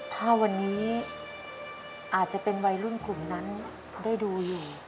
ถ้าวันนี้อาจจะเป็นวัยรุ่นกลุ่มนั้นได้ดูอยู่